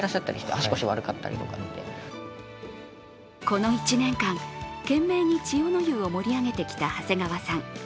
この１年間、懸命に千代の湯を盛り上げてきた長谷川さん。